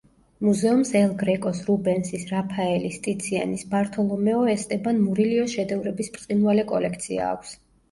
მუზეუმს ელ გრეკოს, რუბენსის, რაფაელის, ტიციანის, ბართოლომეო ესტებან მურილიოს შედევრების ბრწყინვალე კოლექცია აქვს.